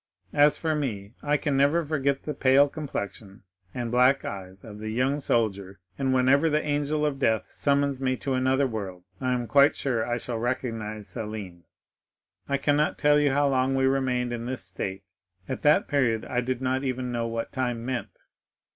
As for me, I can never forget the pale complexion and black eyes of the young soldier, and whenever the angel of death summons me to another world, I am quite sure I shall recognize Selim. I cannot tell you how long we remained in this state; at that period I did not even know what time meant.